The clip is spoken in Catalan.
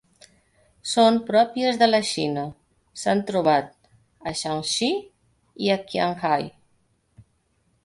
Són pròpies de la Xina; s'han trobat a Shaanxi i a Qinghai.